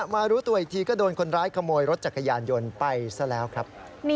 รู้ตัวอีกทีก็โดนคนร้ายขโมยรถจักรยานยนต์ไปซะแล้วครับ